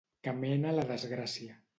Que mena a la desgràcia.